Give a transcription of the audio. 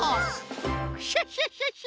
クシャシャシャ！